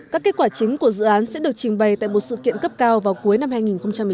các kết quả chính của dự án sẽ được trình bày tại một sự kiện cấp cao vào cuối năm hai nghìn một mươi chín